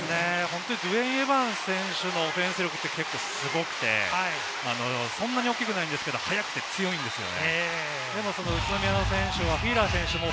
エバンス選手のオフェンス力ってすごくて、そんなに大きくないですけれども、速くて強いんですよ。